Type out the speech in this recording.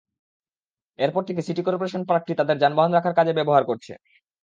এরপর থেকে city corporation পার্কটি তাদের যানবাহন রাখার কাজে ব্যবহার করছে।